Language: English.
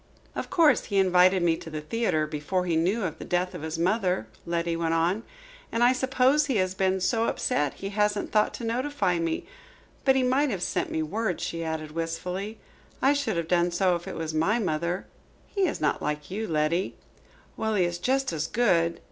"Of course, he invited me to the theatre before he knew of the death of his mother," Letty went on. "And I suppose he has been so upset he hasn't thought to notify me. But he might have sent me word," she added wistfully. "I should have done so if it was my mother." "He is not like you, Letty." "Well, he is just as good."